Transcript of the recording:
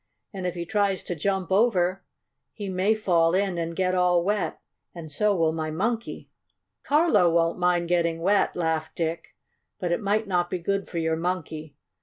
"And if he tries to jump over, he may fall in and get all wet, and so will my Monkey." "Carlo won't mind getting wet!" laughed Dick. "But it might not be good for your Monkey.